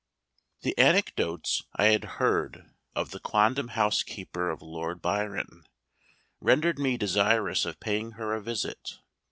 The anecdotes I had heard of the quondam housekeeper of Lord Byron, rendered me desirous of paying her a visit.